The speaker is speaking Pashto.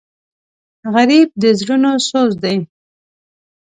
غریب د زړونو سوز دی